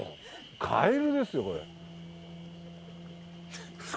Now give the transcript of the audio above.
カエルですよこれ。